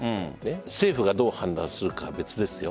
政府がどう判断するかは別ですよ。